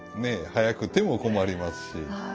早くても困りますし。